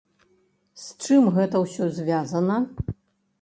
З чым гэта ўсё звязана?